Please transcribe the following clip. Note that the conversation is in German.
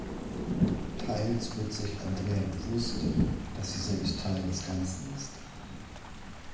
Teils wird sich Andrea bewusst, dass sie selbst Teil des Ganzen ist.